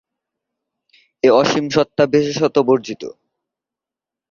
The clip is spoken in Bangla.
এ-অসীম সত্তা বিশেষত্ব-বর্জিত।